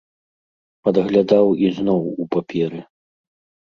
Падглядаў ізноў у паперы.